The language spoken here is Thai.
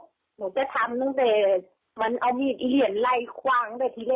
หนูจะทำตั้งแต่มันเอามีเหยียนไล่คว้างได้ที่เลขแล้ว